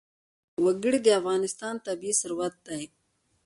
وګړي د افغانستان طبعي ثروت دی.